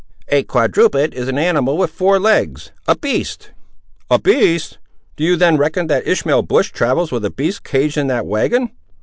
"A quadruped is an animal with four legs—a beast." "A beast! Do you then reckon that Ishmael Bush travels with a beast caged in that wagon?"